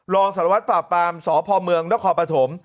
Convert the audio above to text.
รองสารวัตน์ฝาปรามสพเมืองและคปฐม